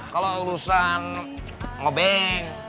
kalau urusan ngobeng